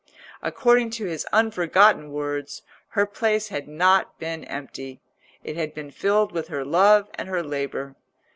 According to his unforgotten words, her place had not been empty: it had been filled with her love and her labour.